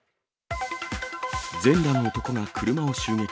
全裸の男が車を襲撃。